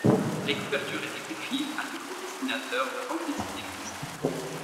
Les couvertures étaient confiées à de grands dessinateurs de bande dessinée français.